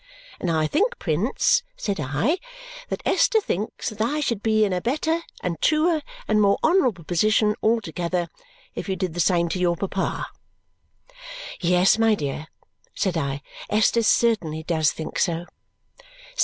And I think, Prince,' said I, 'that Esther thinks that I should be in a better, and truer, and more honourable position altogether if you did the same to your papa.'" "Yes, my dear," said I. "Esther certainly does think so."